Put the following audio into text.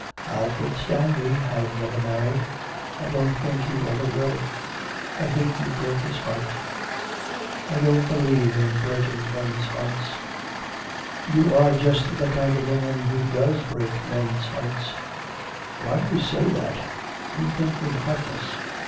Alfred Stanby has never married, I don't think he ever will. I think you broke his heart.' 'I don't believe in breaking men's hearts.' 'You are just the kind of woman who does break men's hearts.' 'Why do you say that? You think me heartless.'